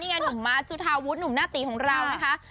ไงหนุ่มมาสจุธาวุฒิหนุ่มหน้าตีของเรานะคะ